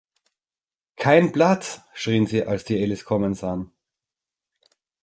„Kein Platz!“, schrien sie, als sie Alice kommen sahen.